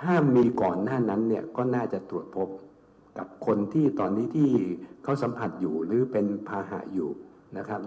ถ้ามีก่อนหน้านั้นเนี่ยก็น่าจะตรวจพบกับคนที่ตอนนี้ที่เขาสัมผัสอยู่หรือเป็นภาหะอยู่นะครับ